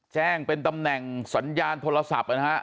แจ้งเป็นตำแหน่งสัญญาณโทรศัพท์นะฮะ